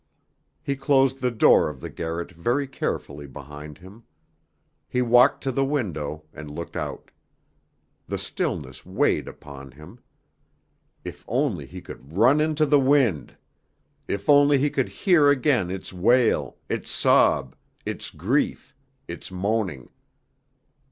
He closed the door of the garret very carefully behind him. He walked to the window and looked out. The stillness weighed upon him. If only he could run into the wind! If only he could hear again its wail, its sob, its grief, its moaning.